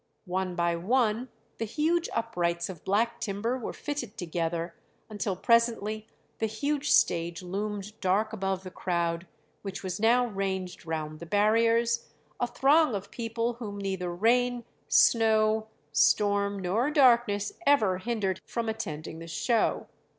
One by one the huge uprights of black timber were fitted together, until presently the huge stage loomed dark above the crowd which was now ranged round the barriers; a throng of people whom neither rain, snow, storm, nor darkness ever hindered from attending the show.